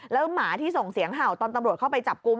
แล้วหมาที่ส่งเสียงเห่าตอนตำรวจเข้าไปจับกลุ่ม